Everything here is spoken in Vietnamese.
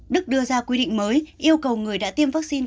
đức đưa ra quy định mới yêu cầu người đã tiêm vaccine